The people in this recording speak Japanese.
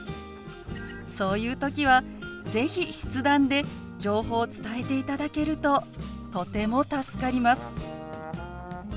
そういう時は是非筆談で情報を伝えていただけるととても助かります。